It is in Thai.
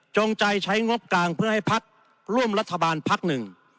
จงใจใช้งบกลางเพื่อให้พักร่วมรัฐบาลพักหนึ่ง